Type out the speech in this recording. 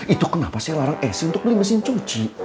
itu kenapa saya larang essi untuk beli mesin cuci